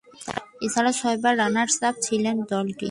এছাড়া, ছয়বার রানার্স-আপ হয়েছিল দলটি।